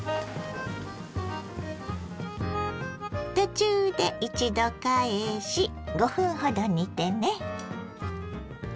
途中で一度返し５分ほど煮てね。